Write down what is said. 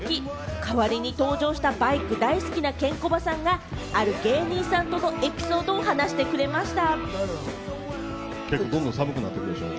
代わりに登場したバイク大好きなケンコバさんが、ある芸人さんとのエピソードを話してくれました。